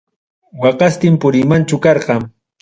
Waqastin puriymanchu karqa.